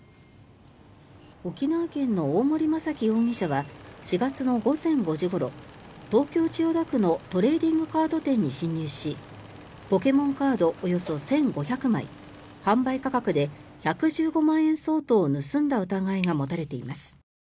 沖縄県の大森正樹容疑者は４月の午前５時ごろ東京・千代田区のトレーディングカード店に侵入しポケモンカードおよそ１５００枚販売価格で１１５万円相当を盗んだ疑いが持たれています。